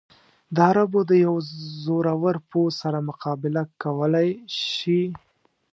د عربو د یوه زورور پوځ سره مقابله کولای شي.